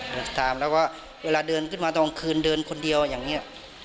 เดินตามแล้วก็เวลาเดินขึ้นมาตอนคืนเดินคนเดียวอย่างนี้